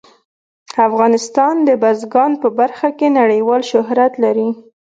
افغانستان د بزګان په برخه کې نړیوال شهرت لري.